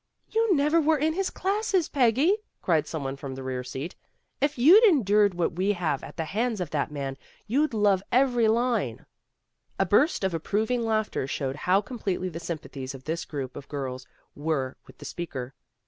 "You never were in his classes, Peggy," cried some one from the rear seat. "If you'd endured what we have at the hands of that man, you'd love every line." A burst of approving laughter showed how completely the sympathies of this group of girls were with the speaker.